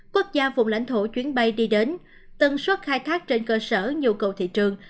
quốc gia vùng lãnh thổ chuyến bay đi đến tân xuất khai thác trên cơ sở nhu cầu thị trường